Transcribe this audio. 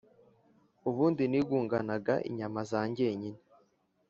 ubundi nigunganaga inyama za jyenyine,